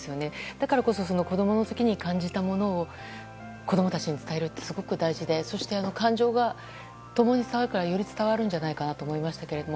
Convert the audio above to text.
だからこそ子供の時に感じたものを子供たちに伝えるってすごく大事でそして、感情が共に伝わるからより伝わるんじゃないかなと思いましたけど。